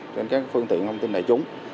trên các phương tiện thông tin đại chúng